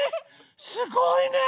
すごいね！